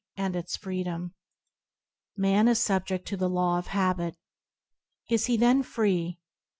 anD its jfreeoom MAN is subject to the law of habit. Is he then free?